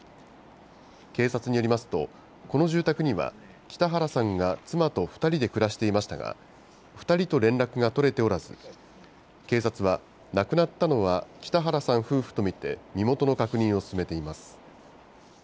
警察によりますと、この住宅には北原さんが妻と２人で暮らしていましたが、２人と連絡が取れておらず、警察は亡くなったのは北原さん夫婦と見て身元の確認を進めています。